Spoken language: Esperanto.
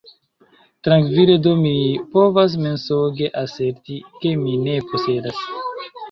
Trankvile do mi povas mensoge aserti, ke mi ne posedas.